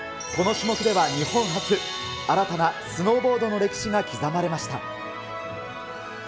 この種目では日本初、新たなスノーボードの歴史が刻まれました。